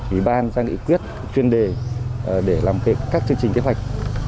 ủy ban gia nghị quyết chuyên đề để làm việc các chương trình kế hoạch